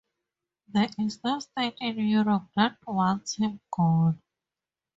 There is no State in Europe that wants him gone.